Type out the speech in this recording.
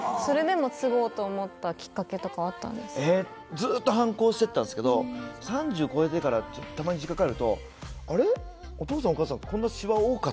ずっと反抗してたんですけど３０超えてからたまに実家帰るとあれ？